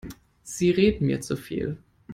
Sie reden mir zu viel.